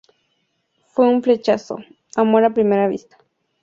Fue un flechazo. Amor a primera vista